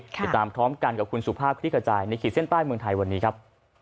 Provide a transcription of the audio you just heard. ติดตามพร้อมกันกับคุณสุภาพคลิกขจายในขีดเส้นใต้เมืองไทยวันนี้ครับ